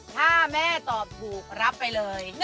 ถ้าแม่ตอบถูกรับไปเลย